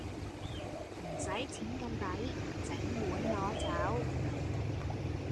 唔使錢咁抵，整碗攞走